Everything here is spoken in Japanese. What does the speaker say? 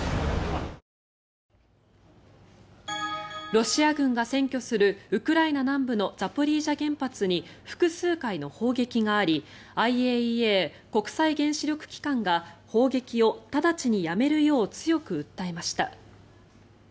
ロシア軍が占拠するウクライナ南部のザポリージャ原発に複数回の砲撃がありＩＡＥＡ・国際原子力機関が砲撃を直ちにやめるよう強く訴えました。